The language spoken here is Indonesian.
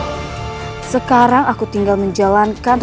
dan saya juga sangat berharga untukmu